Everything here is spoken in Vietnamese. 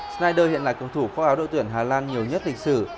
snyder hiện là cầu thủ phố áo đội tuyển hà lan nhiều nhất lịch sử